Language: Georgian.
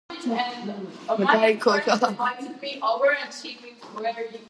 სინაფსურ ნაპრალში გამოყოფილი მედიატორი პოსტსინაფსურ მემბრანაზე სპეციფიკურად მოქმედებს.